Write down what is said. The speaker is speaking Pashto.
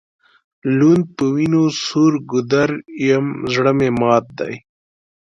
لوند په وینو سور ګودر یم زړه مي مات دی